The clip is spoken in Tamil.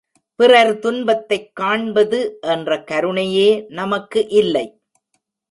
பிறர் துன்பத்தைக் காண்பது என்ற கருணையே நமக்கு இல்லை.